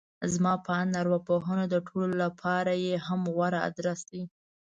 زما په اند ارواپوهنه د ټولو لپاره يې هم غوره ادرس دی.